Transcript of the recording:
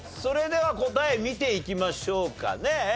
それでは答え見ていきましょうかね。